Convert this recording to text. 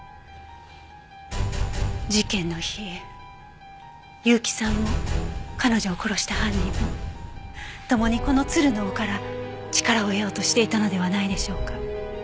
事件の日結城さんも彼女を殺した犯人もともにこの鶴の尾から力を得ようとしていたのではないでしょうか。